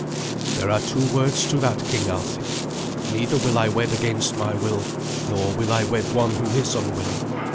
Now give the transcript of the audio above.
"There are two words to that, King Alsi. Neither will I wed against my will, nor will I wed one who is unwilling."